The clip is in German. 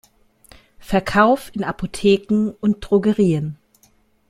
Verkauf in Apotheken und Drogerien.